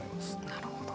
なるほど。